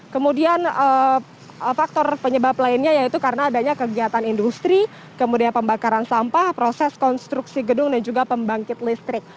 kemudian faktor penyebab lainnya yaitu karena adanya kegiatan industri kemudian pembakaran sampah proses konstruksi gedung dan juga pembangkit listrik